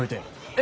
え？